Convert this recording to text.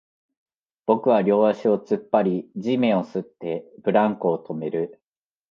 僕は両足を突っ張り、地面を擦って、ブランコを止める